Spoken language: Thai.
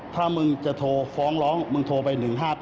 ถ้ามึงจะโทรฟ้องร้องมึงโทรไป๑๕๘